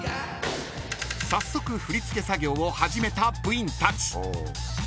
［早速振り付け作業を始めた部員たち］